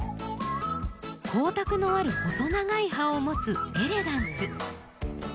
光沢のある細長い葉を持つエレガンス。